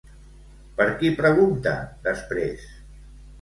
Per qui pregunta després?